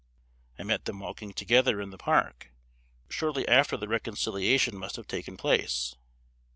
I met them walking together in the park, shortly after the reconciliation must have taken place.